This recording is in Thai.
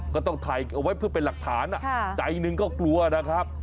ก็ต้องถ่ายเอาไว้เพื่อเป็นหลักฐานใจหนึ่งก็กลัวนะครับ